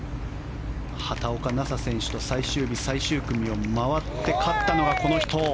畑岡奈紗選手と最終日、最終組を回って勝ったのは、この人。